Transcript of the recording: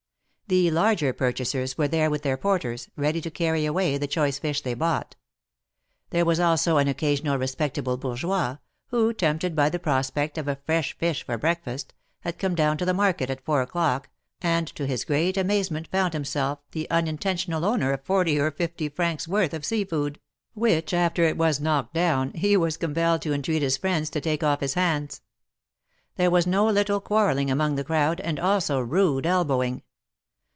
The larger purchasers were there with their porters, ready to carry a^vay the choice fish they bought. There was also an occasional respectable bourgeois, who, tempted by the prospect of a THE MARKETS OF PARIS. 129 fresh fish for breakfast, had come down to the market at four o'clock, and to his great amazement found him self the unintentional owner of forty or fifty francs worth of sea food, which, after it was knocked down, he was compelled to entreat his friends to take off his hands. There was no little quarrelling among the crowd, and also rude elbowing.